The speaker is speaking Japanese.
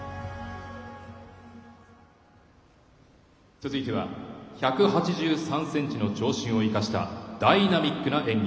続いては１８３ｃｍの長身を生かしたダイナミックな演技。